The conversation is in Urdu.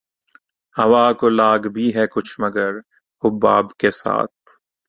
ہوا کو لاگ بھی ہے کچھ مگر حباب کے ساتھ